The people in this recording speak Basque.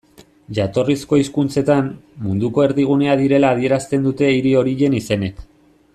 Jatorrizko hizkuntzetan, munduko erdigunea direla adierazten dute hiri horien izenek.